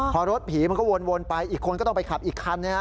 พอรถผีมันก็วนไปอีกคนก็ต้องไปขับอีกคัน